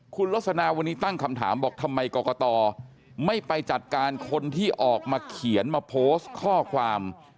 คุณลสนาวันนี้ตั้งคำถามบอกทำไมกรกตไม่ไปจัดการคนที่ออกมาเขียนมาโพสต์ข้อความ